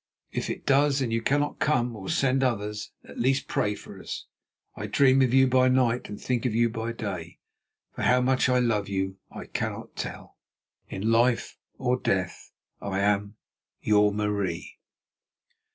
If it does, and you cannot come or send others, at least pray for us. I dream of you by night and think of you by day, for how much I love you I cannot tell. "In life or death I am "Your MARIE."